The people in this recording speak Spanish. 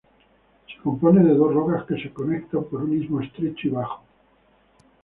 Se compone de dos rocas que se conectan por un istmo estrecho y bajo.